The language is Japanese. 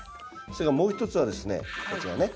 それからもう一つはですねこちらね。